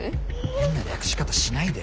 変な略し方しないで。